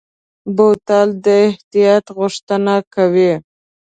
بوتل د احتیاط غوښتنه کوي.